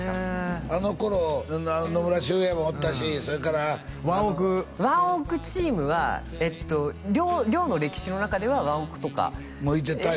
あの頃野村周平もおったしそれからワンオクワンオクチームはえっと寮の歴史の中ではワンオクとかもいてた